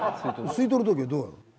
吸い取る時はどうやる？